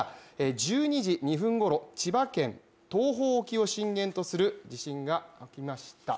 １２時２分ごろ千葉県東方沖を震源とする地震がありました。